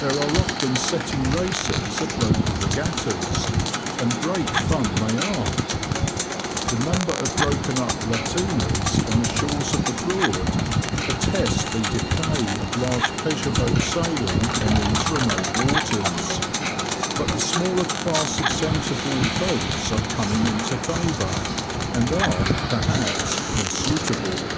There are often setting races at local regattas, and great fun they are. [Picture: Hickling Staithe] The number of broken up lateeners on the shores of the Broad attest the decay of large pleasure boat sailing on these remote waters, but the smaller class of centre board boats are coming into favour, and are, perhaps, more suitable.